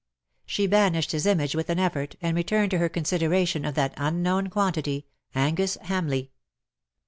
She banished his image with an effort, and returned to her consideration of that unknown quantity, Angus Hamleigh.